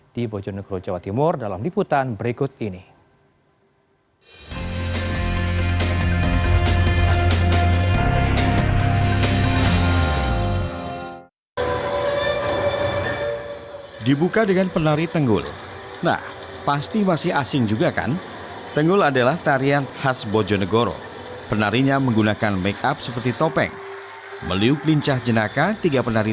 di bojonegoro jawa timur dalam liputan berikut ini